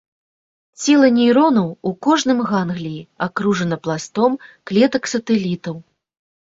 Цела нейронаў у кожным гангліі акружана пластом клетак-сатэлітаў.